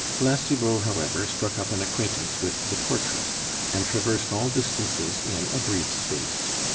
La Cibot, however, struck up an acquaintance with the portress, and traversed all distances in a brief space.